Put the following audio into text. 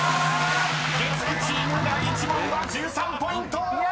［月９チーム第１問は１３ポイント！］